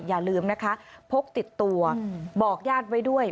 อย่าลืมนะคะพกติดตัวบอกญาติไว้ด้วย